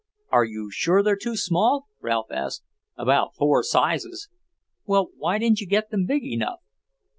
"Are you sure they're too small?" Ralph asked. "About four sizes." "Well, why didn't you get them big enough?"